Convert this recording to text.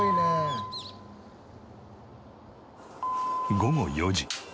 午後４時。